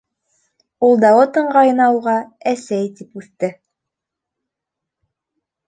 Ул Дауыт ыңғайына уға «әсәй» тип үҫте.